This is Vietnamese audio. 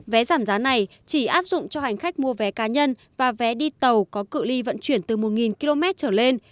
vé giảm giá này chỉ áp dụng cho hành khách mua vé cá nhân và vé đi tàu có cự li vận chuyển từ một km trở lên